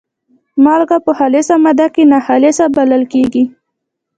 مالګه په خالصه ماده کې ناخالصه بلل کیږي.